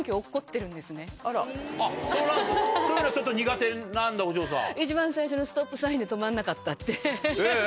そうなんですかそういうのちょっと苦手なんだお嬢さん。